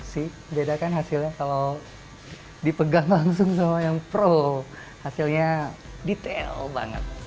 sih beda kan hasilnya kalau dipegang langsung sama yang pro hasilnya detail banget